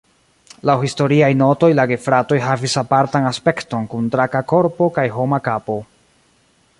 Laŭ historiaj notoj la gefratoj havis apartan aspekton kun draka korpo kaj homa kapo.